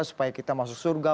supaya kita masuk surga